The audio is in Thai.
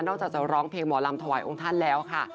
อกจากจะร้องเพลงหมอลำถวายองค์ท่านแล้วค่ะ